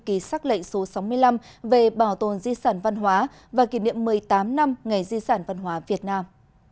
ký xác lệnh số sáu mươi năm về bảo tồn di sản văn hóa và kỷ niệm một mươi tám năm ngày di sản văn hóa việt nam